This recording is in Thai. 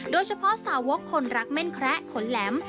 โดยเฉพาะสาวกคนรักแม่นแคระขนแหลม